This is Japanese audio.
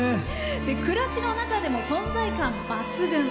暮らしの中でも存在感抜群。